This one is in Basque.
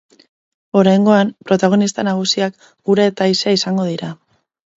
Oraingoan, protagonista nagusiak ura eta haizea izango dira.